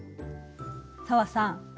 紗和さん。